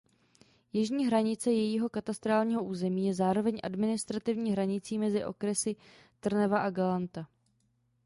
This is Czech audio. Jižní hranice jejího katastrálního území je zároveň administrativní hranicí mezi okresy Trnava a Galanta.